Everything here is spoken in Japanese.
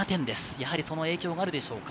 やはりその影響があるでしょうか？